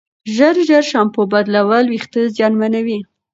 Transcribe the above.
ژر ژر شامپو بدلول وېښتې زیانمنوي.